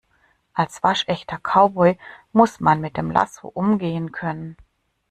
Als waschechter Cowboy muss man mit dem Lasso umgehen können.